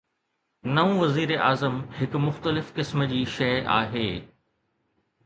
نئون وزيراعظم هڪ مختلف قسم جي شيء آهي.